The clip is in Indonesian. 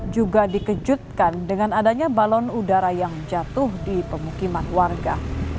juga dikejutkan dengan adanya balon udara yang jatuh di pemukiman warga